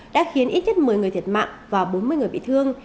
đã khiến ít nhất một mươi người thiệt mạng và bốn mươi người bị thương